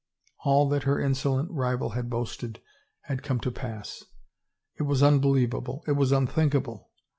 All that her insolent rival had boasted had come to pass. It was unbelievable, it was unthinkable.